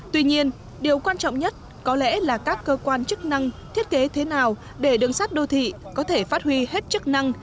tuy nhiên điều quan trọng nhất có lẽ là các cơ quan chức năng thiết kế thế nào để đường sắt đô thị có thể phát huy hết chức năng